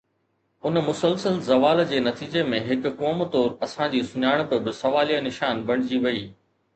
ان مسلسل زوال جي نتيجي ۾ هڪ قوم طور اسان جي سڃاڻپ به سواليا نشان بڻجي وئي